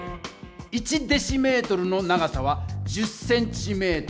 １ｄｍの長さは１０ｃｍ。